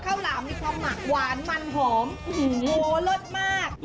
ข้าวหลามมีความหมากหวานมันหอมโอ้โหรสมาก